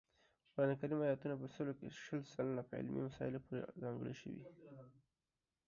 قران کریم آیاتونه په سلو کې شل سلنه په علمي مسایلو پورې ځانګړي شوي